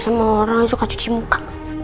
sama orang suka cuci muka